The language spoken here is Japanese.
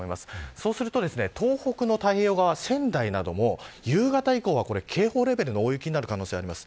そうすると東北の太平洋側仙台なども夕方以降は、警報レベルの大雪になる可能性があります。